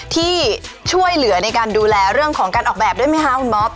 ที่ช่วยเหลือในการดูแลเรื่องของการออกแบบด้วยไหมคะคุณบ๊อบ